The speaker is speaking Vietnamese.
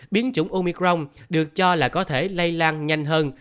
biến chủng omicron được cho là có thể lây lan nhanh hơn